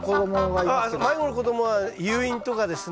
ああ迷子の子供は誘引とかですね